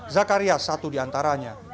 zakaria satu di antaranya